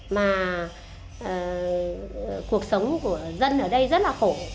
mà cuộc sống của dân ở đây rất là khổ